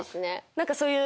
何かそういう。